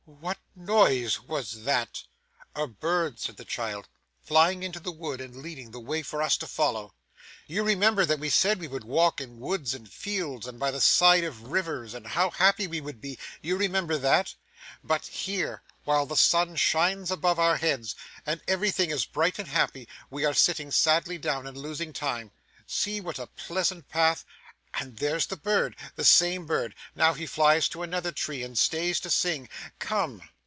'What noise was that?' 'A bird,' said the child, 'flying into the wood, and leading the way for us to follow.' You remember that we said we would walk in woods and fields, and by the side of rivers, and how happy we would be you remember that? But here, while the sun shines above our heads, and everything is bright and happy, we are sitting sadly down, and losing time. See what a pleasant path; and there's the bird the same bird now he flies to another tree, and stays to sing. Come!